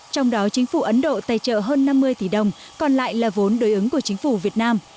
trong đó chính phủ ấn độ tài trợ hơn năm mươi tỷ đồng còn lại là vốn đối ứng của chính phủ việt nam